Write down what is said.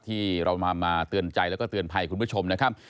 ที่เรานำมาเตือนใจแล้วก็เตือนภัยคุณผู้ชมนะครับ